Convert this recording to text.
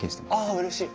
あうれしい。